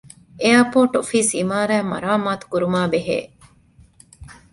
އެއަރޕޯޓް އޮފީސް އިމާރާތް މަރާމާތުކުރުމާ ބެހޭ